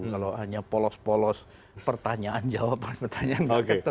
kalau hanya polos polos pertanyaan jawaban pertanyaan gak ketemu